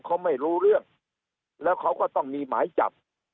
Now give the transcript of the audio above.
เขาไม่รู้เรื่องแล้วเขาก็ต้องมีหมายจับ